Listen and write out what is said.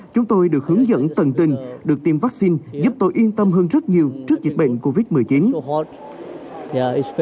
chúng tôi được hướng dẫn tận tình được tiêm vaccine giúp tôi yên tâm hơn rất nhiều trước dịch bệnh covid một mươi chín